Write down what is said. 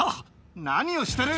何をしてる。